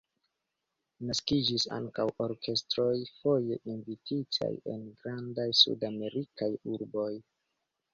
Naskiĝis ankaŭ orkestroj, foje invititaj en grandaj Sudamerikaj urboj.